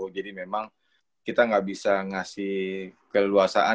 jadi memang kita gak bisa ngasih keluasan